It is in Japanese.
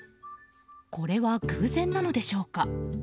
これは偶然なのでしょうか？